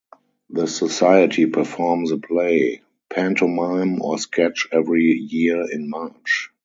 The society performs a play, pantomime or sketch every year in March.